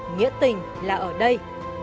nghĩa tình là ở đây